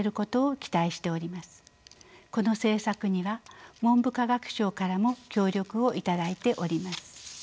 この制作には文部科学省からも協力を頂いております。